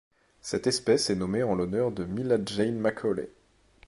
Cette espèce est nommée en l'honneur de Mila Jane Macaulay.